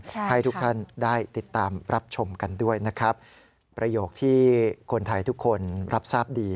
ใช่ให้ทุกท่านได้ติดตามรับชมกันด้วยนะครับประโยคที่คนไทยทุกคนรับทราบดี